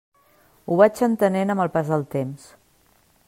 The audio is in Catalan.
Ho vaig entenent amb el pas del temps.